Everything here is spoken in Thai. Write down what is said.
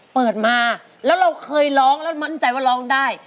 เปิดมาแล้วเราเคยร้องแล้วมั่นใจว่าร้องได้